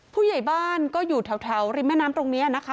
ผู้ใหญ่บ้านก็อยู่แถวริมแม่น้ำตรงนี้นะคะ